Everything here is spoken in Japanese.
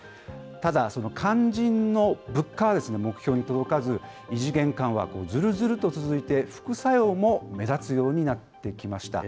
ただ、肝心の物価は目標に届かず、異次元緩和、ずるずると続いて副作用も目立つようになってきました。